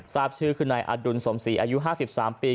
ทราบชื่อคือนายอดุลสมศรีอายุ๕๓ปี